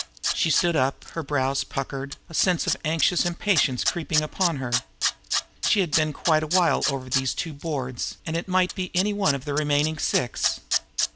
She stood up, her brows puckered, a sense of anxious impatience creeping upon her. She had been quite a while over even these two boards, and it might be any one of the remaining six!